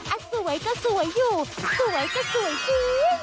สวยก็สวยอยู่สวยก็สวยสิ